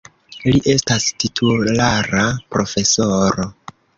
Li estas titulara profesoro.